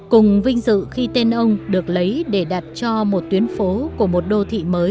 cùng vinh dự khi tên ông được lấy để đặt cho một tuyến phố của một đô thị mới tại thủ đô hà nội